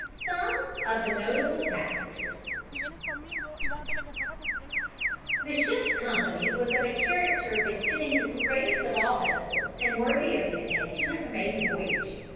STEAD AND OTHERS THE ship's company was of a character befitting the greatest of all vessels and worthy of the occasion of her maiden voyage.